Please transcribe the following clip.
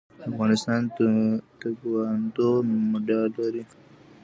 د افغانستان تکواندو مډال لري